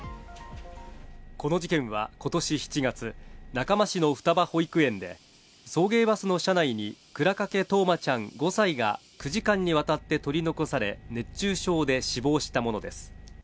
この事件は今年７月、中間市の双葉保育園で送迎バスの車内に倉掛冬生ちゃん、５歳が９時間にわたって取り残され、熱中症で死亡したものです。